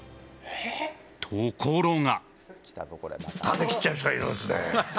ところが。